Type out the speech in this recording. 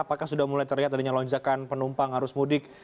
apakah sudah mulai terlihat adanya lonjakan penumpang arus mudik